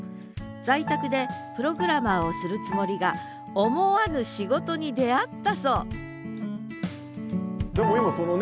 在宅でプログラマーをするつもりが思わぬ仕事に出会ったそうでも今そのね